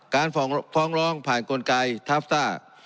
การฟ้องร้องผ่านกลไกทับซ่า